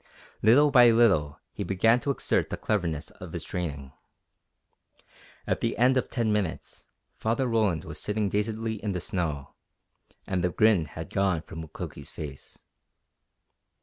Little by little he began to exert the cleverness of his training. At the end of ten minutes Father Roland was sitting dazedly in the snow, and the grin had gone from Mukoki's face.